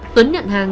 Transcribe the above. tuấn nhận hàng